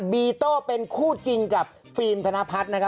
บีโต้เป็นคู่จริงกับฟิล์มธนพัฒน์นะครับ